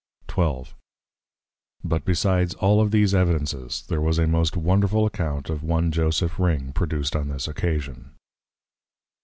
XII. But besides all of these Evidences, there was a most wonderful Account of one Joseph Ring, produced on this occasion.